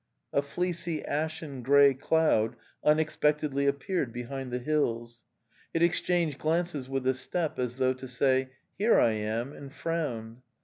A fleecy ashen grey cloud unexpectedly appeared be hind the hills. It exchanged glances with the steppe, as though to say, '' Here I am," and frowned.